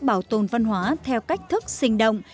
bảo tồn văn hóa theo cách thức sinh động